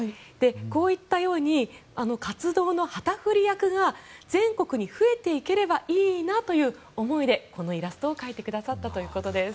こういったように活動の旗振り役が全国に増えていければいいなという思いでこのイラストを描いてくださったということです。